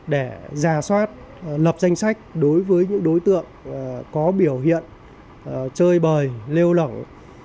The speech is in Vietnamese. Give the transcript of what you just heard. để giả soát lập danh sách đối với những đối tượng có biểu hiện chơi bời lêu lỏng